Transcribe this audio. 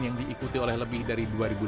yang diikuti oleh lebih dari dua lima ratus